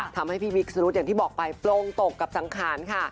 ทำให้พี่วิกสรุธอย่างที่บอกไปโปร่งตกกับสังขารค่ะ